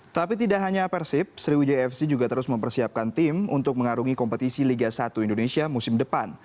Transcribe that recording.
tapi tidak hanya persib sriwijaya fc juga terus mempersiapkan tim untuk mengarungi kompetisi liga satu indonesia musim depan